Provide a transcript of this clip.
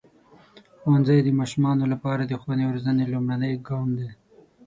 ښوونځی د ماشومانو لپاره د ښوونې او روزنې لومړنی ګام دی.